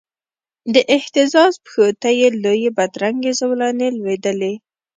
د اهتزاز پښو ته یې لویي بدرنګې زولنې لویدلې